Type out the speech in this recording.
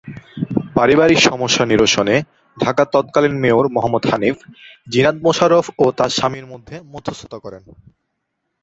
পারিবারিক সমস্যা নিরসনে ঢাকার তৎকালীন মেয়র মোহাম্মদ হানিফ জিনাত মোশাররফ ও তার স্বামীর মধ্যে মধ্যস্থতা করেন।